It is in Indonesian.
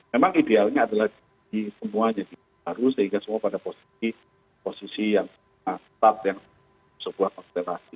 memang idealnya adalah jadi semuanya jadi baru sehingga semua pada posisi yang sebuah konstelasi